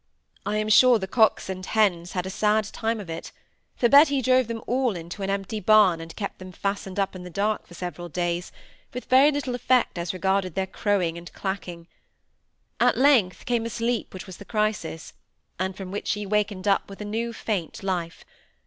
I am sure the cocks and hens had a sad time of it; for Betty drove them all into an empty barn, and kept them fastened up in the dark for several days, with very little effect as regarded their crowing and clacking. At length came a sleep which was the crisis, and from which she wakened up with a new faint life.